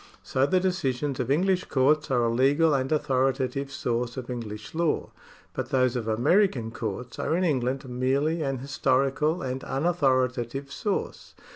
80 the decisions of English courts are a legal and authorita tive source of English law, but those of American comts are in England merely an historical and unauthoritative source.